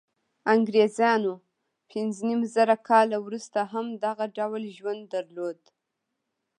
انګرېزانو پنځه نیم زره کاله وروسته هم دغه ډول ژوند درلود.